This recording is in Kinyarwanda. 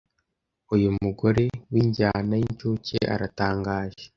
uyu mugore w'injyana y'incuke aratangaje